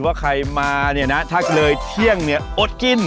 ว่าใครมาเนี่ยนะถ้าเลยเที่ยงเนี่ยอดกิน